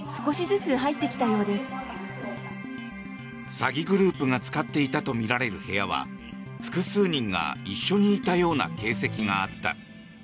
詐欺グループが使っていたとみられる部屋は複数人が一緒にいたような形跡があった。